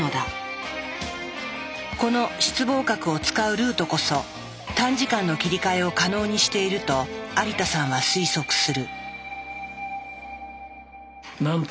この室傍核を使うルートこそ短時間の切り替えを可能にしていると有田さんは推測する。